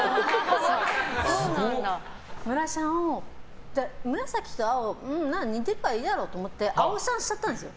ムラシャンを紫と青似てるからいいだろって思ってアオシャンしちゃったんですよ。